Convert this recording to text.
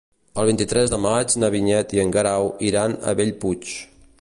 El vint-i-tres de maig na Vinyet i en Guerau iran a Bellpuig.